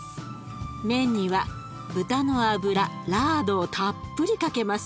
麺には豚の脂ラードをたっぷりかけます。